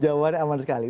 jawabannya aman sekali